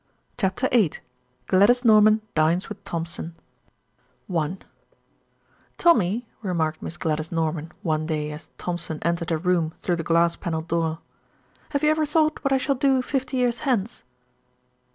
CHAPTER VIII GLADYS NORMAN DINES WITH THOMPSON I "Tommy," remarked Miss Gladys Norman one day as Thompson entered her room through the glass panelled door, "have you ever thought what I shall do fifty years hence?"